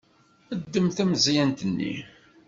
Ddem tameẓyant-nni.